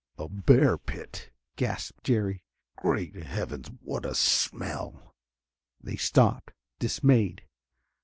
"A bear pit," gasped Jerry. "Great Heavens! What a smell!" They stopped, dismayed.